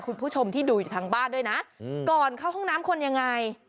คุณผู้ชมที่ดูอยู่ทางบ้านด้วยนะก่อนเข้าห้องน้ำคนยังไง